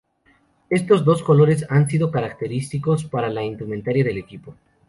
Estos dos colores han sido característicos para la indumentaria del equipo.